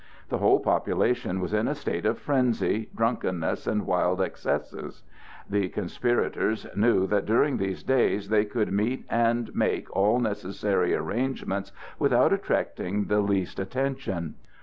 The whole population was in a state of frenzy, drunkenness, and wild excesses. The conspirators knew that during these days they could meet and make all necessary arrangements without attracting the least attention.